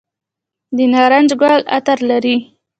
د نارنج ګل عطر لري؟